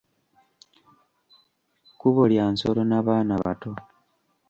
Kkubo lya nsolo na baana bato.